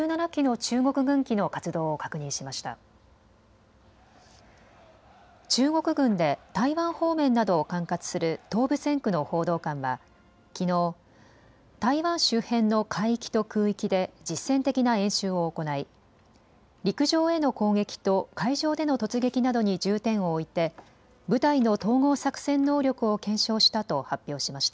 中国軍で台湾方面などを管轄する東部戦区の報道官はきのう、台湾周辺の海域と空域で実戦的な演習を行い陸上への攻撃と海上での突撃などに重点を置いて部隊の統合作戦能力を検証したと発表しました。